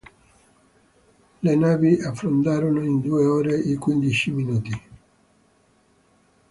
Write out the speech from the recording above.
Le navi affondarono in due ore e quindici minuti.